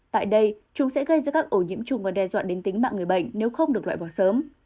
tại đây chúng sẽ gây ra các ổ nhiễm trùng và đe dọa đến tính mạng người bệnh nếu không được loại bỏ sớm